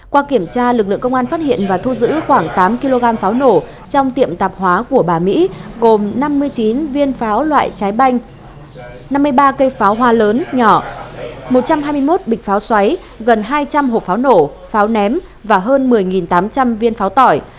qua kiểm tra lực lượng công an phát hiện và thu giữ khoảng tám kg pháo nổ trong tiệm tạp hóa của bà mỹ gồm năm mươi chín viên pháo loại trái banh năm mươi ba cây pháo hoa lớn nhỏ một trăm hai mươi một bịch pháo xoáy gần hai trăm linh hộp pháo nổ pháo ném và hơn một mươi tám trăm linh viên pháo